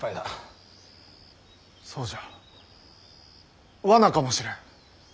そうじゃ罠かもしれん。